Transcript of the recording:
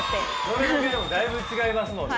それだけでもだいぶ違いますもんね。